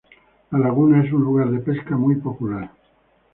La laguna es un lugar de pesca muy popular.